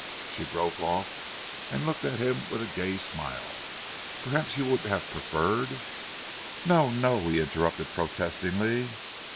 She broke off, and looked at him with a gay smile. "Perhaps you would have preferred " "No! No!" he interrupted protestingly.